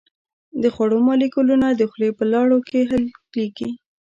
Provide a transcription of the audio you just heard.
د خوړو مالیکولونه د خولې په لاړو کې حلیږي.